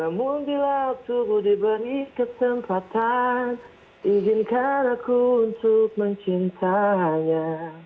namun bila aku sudah diberi kesempatan izinkan aku untuk mencintanya